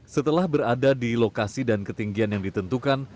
setelah berada di lokasi dan ketinggian yang ditentukan